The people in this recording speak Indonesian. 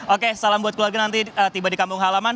oke salam buat keluarga nanti tiba di kampung halaman